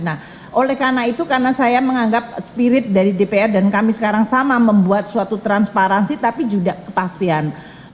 nah oleh karena itu karena saya menganggap spirit dari dpr dan kami sekarang sama membuat suatu transparansi tapi juga kepastian